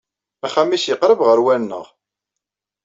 Axxam-is yeqreb ɣer wa-nneɣ.